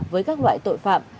với các loại tội phạm